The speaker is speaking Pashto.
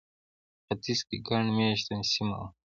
په ختیځ کې ګڼ مېشته سیمه وه.